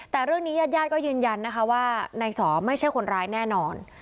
แต่เรื่องนี้ญาติญาติก็ยืนยันนะคะว่านายสอไม่ใช่คนร้ายแน่นอน